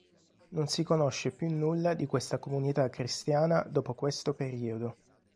Non si conosce più nulla di questa comunità cristiana dopo questo periodo.